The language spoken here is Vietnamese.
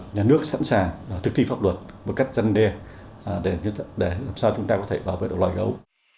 nhà nước sẵn sàng thực thi pháp luật một cách chân đê để làm sao chúng ta có thể bảo vệ đồ loài gấu